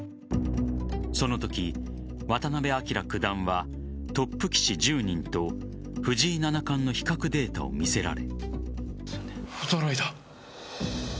そのとき、渡辺明九段はトップ棋士１０人と藤井七冠の比較データを見せられ。